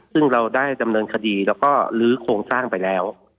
ซึ่งเราได้ดำเนินคดีแล้วก็ลื้อโครงสร้างไปแล้ว